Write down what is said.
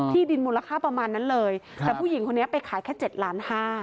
ดินมูลค่าประมาณนั้นเลยแต่ผู้หญิงคนนี้ไปขายแค่๗ล้านห้า